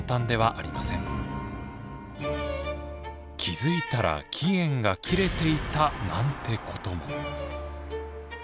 気づいたら期限が切れていたなんてことも。